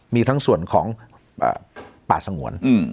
มีทั้งส่วนของป่าสงวน